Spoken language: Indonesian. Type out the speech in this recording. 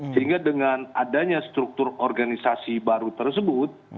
sehingga dengan adanya struktur organisasi baru tersebut